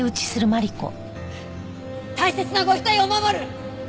大切なご遺体を守る！